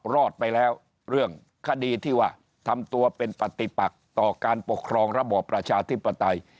รอดไปแล้วเรื่องคดีที่ว่าทำตัวเป็นปฏิปักต่อการปกครองระบอบประชาธิปไตย